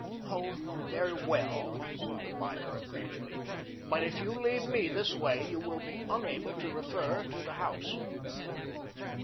"Oh, very well," said the buyer aggrievedly, "but if you leave me this way you will be unable to refer to the house."